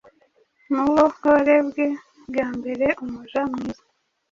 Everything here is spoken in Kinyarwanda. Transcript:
Mubuore bwe bwambere umuja mwiza